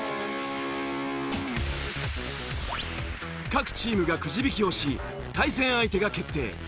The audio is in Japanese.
各チームがくじ引きをし対戦相手が決定。